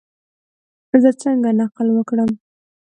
زه څنګه نقل وکړم؟